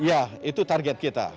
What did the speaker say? ya itu target kita